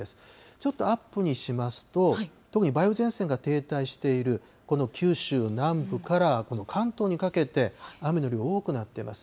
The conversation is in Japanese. ちょっとアップにしますと、特に梅雨前線が停滞しているこの九州南部から、この関東にかけて、雨の量、多くなってます。